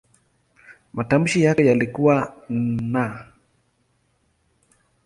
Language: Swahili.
Matamshi yake yalikuwa "n".